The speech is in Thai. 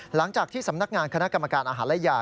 หลังจากที่สำนักงานคณะกรรมการอาหารและยา